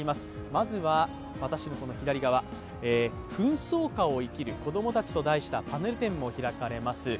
まずは、私の左側「紛争下を生きる子供たち」と題したパネル展も開かれます。